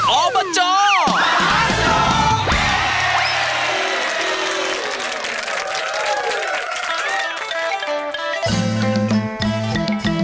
ออบจมหาสนุก